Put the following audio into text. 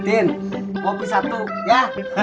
din kopi satu ya